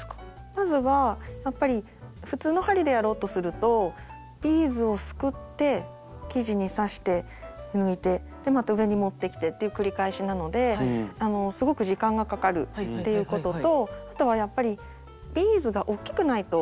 まずはやっぱり普通の針でやろうとするとビーズをすくって生地に刺して抜いてで上にまた持ってきてっていう繰り返しなのですごく時間がかかるっていうこととあとはやっぱりビーズがおっきくないとできないです。